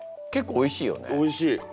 おいしい。